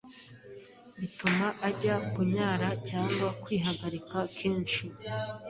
bituma ajya Kunyara cyangwa Kwihagarika kenshi